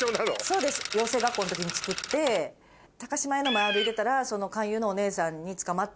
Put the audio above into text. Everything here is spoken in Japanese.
そうです養成学校の時に作って島屋の前歩いてたら勧誘のお姉さんにつかまってあれ？